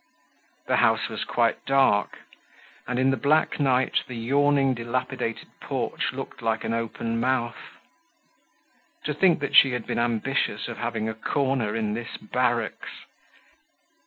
The house was quite dark, and in the black night the yawning, dilapidated porch looked like an open mouth. To think that she had been ambitious of having a corner in this barracks!